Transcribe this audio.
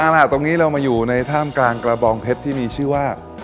เอาล่ะตรงนี้เรามาอยู่ในท่ามกลางกระบองเพชรที่มีชื่อว่า